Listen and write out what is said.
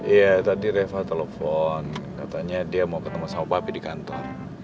iya tadi reva telepon katanya dia mau ketemu sama babi di kantor